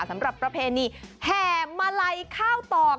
สำหรับประเพณีแห่มะไล่ข้าวตอก